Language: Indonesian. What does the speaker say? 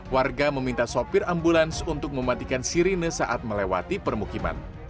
warga meminta sopir ambulans untuk mematikan sirine saat melewati permukiman